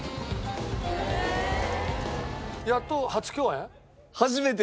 やっと初共演？